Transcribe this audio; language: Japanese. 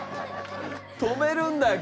止めるんだよ